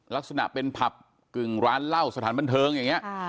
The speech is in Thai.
ลักษณะเป็นผับกึ่งร้านเหล้าสถานบันเทิงอย่างนี้